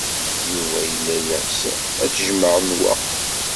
Yuba yella yeɣs ad tjemɛem wa.